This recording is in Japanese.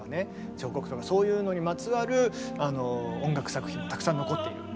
彫刻とかそういうのにまつわる音楽作品もたくさん残っている。